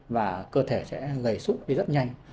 và cơ thể sẽ gầy sụp đi rất nhanh